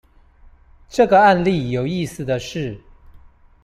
這個案例有意思的是